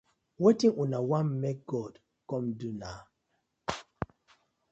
Wetin una wan mek God com do naw?